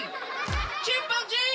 チンパンジー！